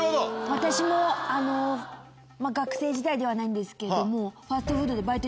私もまぁ学生時代ではないんですけれども。